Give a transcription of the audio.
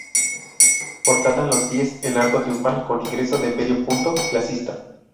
Portada a los pies en arco triunfal con ingreso de medio punto, clasicista.